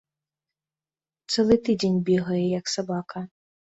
Цэлы тыдзень бегае, як сабака.